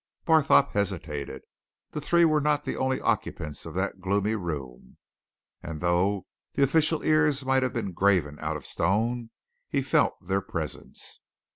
Barthorpe hesitated. The three were not the only occupants of that gloomy room, and though the official ears might have been graven out of stone, he felt their presence.